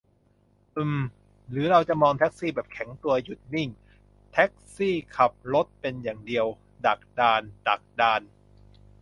อืม หรือเราจะมองแท็กซี่แบบแข็งตัว หยุดนิ่ง แท็กซี่ขับรถเป็นอย่างเดียว ดักดาน ดักดาน ?